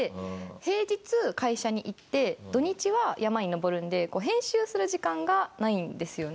平日会社に行って土日は山に登るので編集する時間がないんですよね。